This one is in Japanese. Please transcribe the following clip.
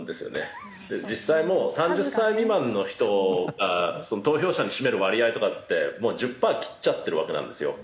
実際もう３０歳未満の人が投票者に占める割合とかってもう１０パー切っちゃってるわけなんですよ。